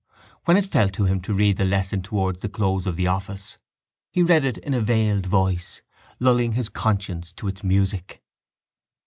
When it fell to him to read the lesson towards the close of the office he read it in a veiled voice, lulling his conscience to its music.